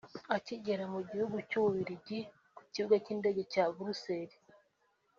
Akigera mu gihugu cy'u Bubiligi ku kibuga cy'indege cya Brussels